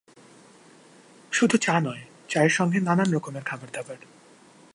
শুধু চা নয়, চায়ের সঙ্গে নানান রকমের খাবারদাবার।